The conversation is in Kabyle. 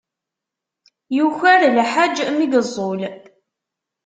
Yuker lḥaǧ mi yeẓẓul.